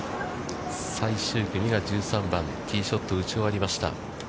最終組が１３番、ティーショットを打ち終わりました。